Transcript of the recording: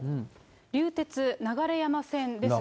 流鉄流山線です。